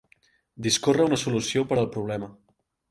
Discórrer una solució per al problema.